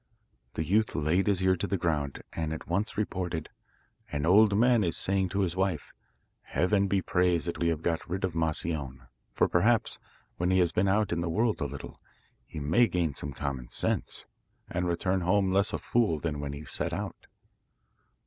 The youth laid his ear to the ground and at once reported: 'An old man is saying to his wife, "Heaven be praised that we have got rid of Moscione, for perhaps, when he has been out in the world a little, he may gain some common sense, and return home less of a fool than when he set out."